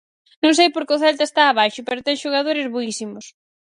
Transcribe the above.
Non sei por que o Celta está abaixo, pero ten xogadores boísimos.